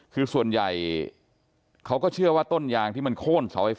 คือส่วนใหญ่เขาก็เชื่อว่าต้นยางที่มันโค้นเสาไฟฟ้า